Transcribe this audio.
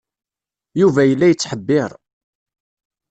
Yuba yella yettḥebbiṛ.